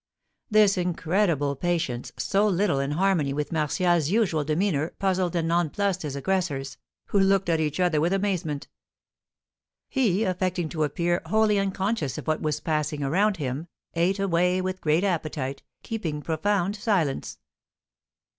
This incredible patience, so little in harmony with Martial's usual demeanour, puzzled and nonplussed his aggressors, who looked at each other with amazement. He, affecting to appear wholly unconscious of what was passing around him, ate away with great appetite, keeping profound silence.